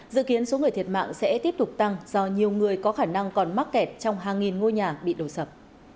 dự kiến số người thiệt mạng sẽ tiếp tục tăng do nhiều người có khả năng còn mắc kẹt trong hàng nghìn ngôi nhà bị đổ sập